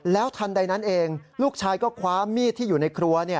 ทันใดนั้นเองลูกชายก็คว้ามีดที่อยู่ในครัว